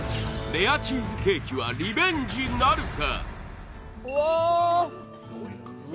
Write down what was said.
レアチーズケーキはリベンジなるか？